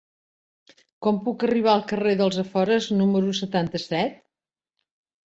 Com puc arribar al carrer dels Afores número setanta-set?